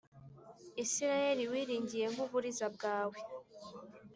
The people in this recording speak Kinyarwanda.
Israheli wigiriye nk’uburiza bwawe.